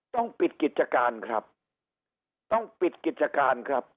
ต้องปิดกิจการครับต้องปิดกิจการครับ